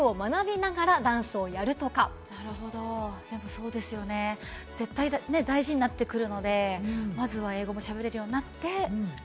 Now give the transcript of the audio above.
そうですよね、絶対大事になってくるので、まずは英語も喋れるようになって。